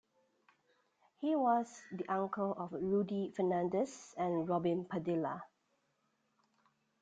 He was the uncle of Rudy Fernandez and Robin Padilla.